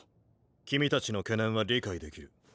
君たちの懸念は理解できる。